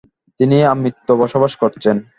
তিনি আমৃত্যু বসবাস করেছেন।